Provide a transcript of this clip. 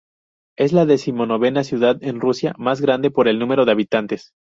Es la decimonovena ciudad en Rusia más grande por el número de habitantes.